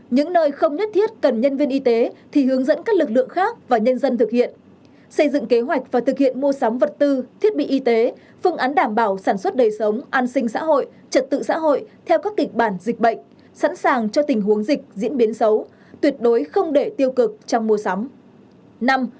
những nơi không nhất thiết cần nhân viên y tế thì hướng dẫn các lực lượng khác và nhân dân thực hiện xây dựng kế hoạch và thực hiện mua sắm vật tư thiết bị y tế phương án đảm bảo sản xuất đời sống an sinh xã hội trật tự xã hội theo các kịch bản dịch bệnh sẵn sàng cho tình huống dịch diễn biến xấu tuyệt đối không để tiêu cực trong mùa sắm